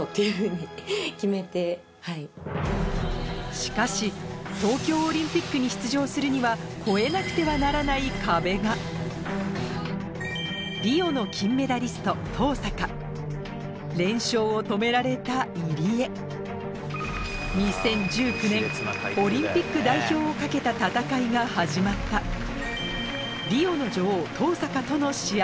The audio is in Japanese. しかし東京オリンピックに出場するには越えなくてはならない壁がリオの金メダリスト登坂連勝を止められた入江オリンピック代表を懸けた戦いが始まったリオの女王登坂との試合